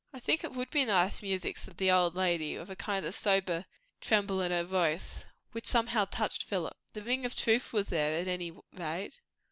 "I think it would be nice music," said the old lady, with a kind of sober tremble in her voice, which somehow touched Philip. The ring of truth was there, at any rate.